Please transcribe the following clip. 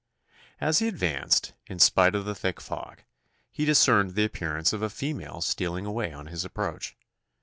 As he advanced, in spite of the thick fog, he discerned the appearance of a female stealing away on his approach.